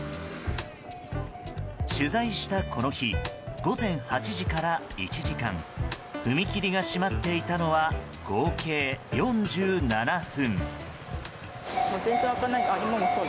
取材した、この日午前８時から１時間踏切が閉まっていたのは合計４７分。